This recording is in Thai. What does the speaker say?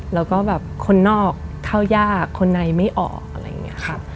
แล้วก็แบบคนนอกเข้ายากคนในไม่ออกอะไรอย่างนี้ครับ